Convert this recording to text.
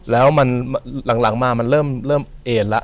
แล้วมันหลังมามันเริ่มเอ็นแล้ว